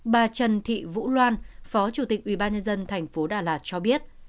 bà trần thị vũ loan phó chủ tịch ủy ban nhân dân tp đà lạt cho biết